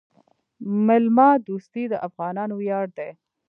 میلمه دوستي د افغانانو ویاړ دی.